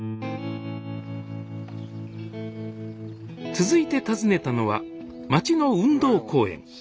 続いて訪ねたのは町の運動公園。